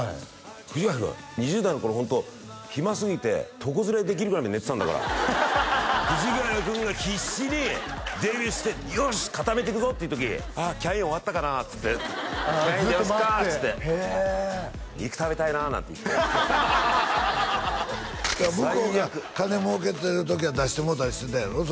藤ヶ谷君２０代の頃ホント暇すぎて床ずれできるぐらいまで寝てたんだから藤ヶ谷君が必死にデビューしてよし固めていくぞっていう時ああキャイン終わったかなっつってキャインに電話するかっつってへえ肉食べたいななんて言って向こうが金儲けてる時は出してもろうたりしてたんやろ？